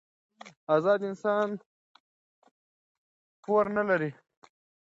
ازاد انسان پور نه لري.